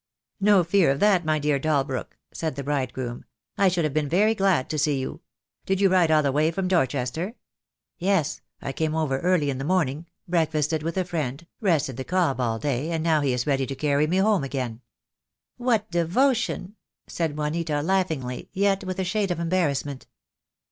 "No fear of that, my dear Dalbrook," said the bride groom. "I should have been very glad to see you. Did you ride all the way from Dorchester?" "Yes; I came over early in the morning, breakfasted The Day will come. I. 2 18 THE DAY WILL COME. with a friend, rested the cob all day, and now he is ready to carry me home again." "What devotion!" said Juanita, laughingly, yet with a shade of embarrassment.